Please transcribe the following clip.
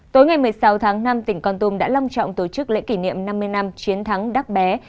một mươi sáu tháng năm tỉnh con tum đã lâm trọng tổ chức lễ kỷ niệm năm mươi năm chiến thắng đắc bé